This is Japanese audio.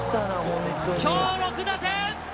今日６打点！